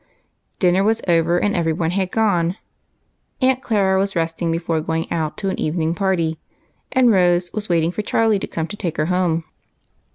Dinner was over, and every one had gone. Aunt Clara was resting before going out to an evening party, and Rose was waiting for Charlie to come and take her home.